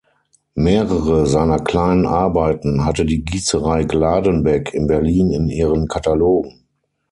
Mehrere seiner kleinen Arbeiten hatte die Gießerei Gladenbeck in Berlin in ihren Katalogen.